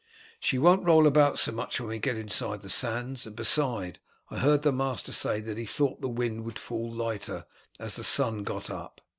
She won't roll about so much when we get inside the sands; and besides, I heard the master say that he thought the wind would fall lighter as the sun got up."